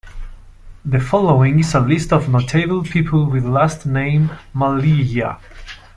The following is a list of notable people with last name Mallya.